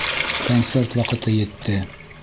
Концерт ваҡыты етте.